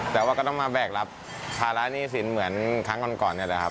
แต่ว่าก็ต้องมาแบกรับภาระหนี้สินเหมือนครั้งก่อนนี่แหละครับ